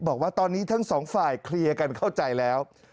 บอกว่าตอนนี้ทั้งสองฝ่ายเคลียร์กันเข้าใจแล้ว